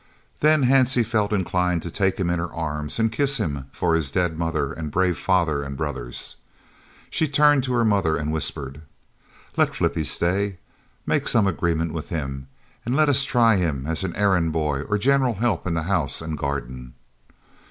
Then Hansie felt inclined to take him in her arms and kiss him for his dead mother and brave father and brothers. She turned to her mother and whispered: "Let Flippie stay. Make some agreement with him and let us try him as errand boy or general help in the house and garden."